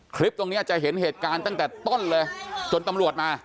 คลิปตรงนี้จะเห็นเหตุการณ์ตั้งแต่ต้นเลยจนตำรวจมา